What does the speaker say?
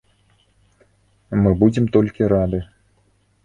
Мы будзем толькі рады.